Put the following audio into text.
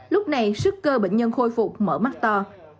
lúc này sức cơ bệnh nhân khôi phục mở mắt to